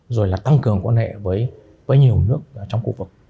rồi là tăng cường quan hệ với nhiều nước trong khu vực